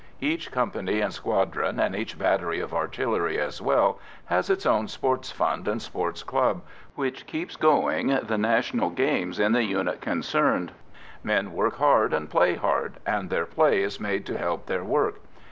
Each company and squadron, and each battery of artillery as well, has its own sports fund and sports club, which keeps going the national games in the unit concerned. Men work hard and play hard, and their play is made to help their work.